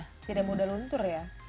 tidak mudah luntur ya